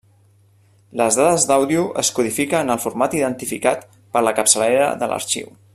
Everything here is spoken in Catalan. Les dades d'àudio es codifica en el format identificat per la capçalera de l'arxiu.